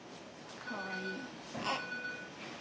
かわいい。